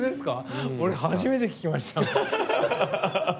俺、初めて聞きました。